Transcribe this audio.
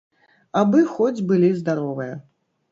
Абы хоць былі здаровыя.